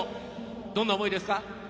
どんな思いですか？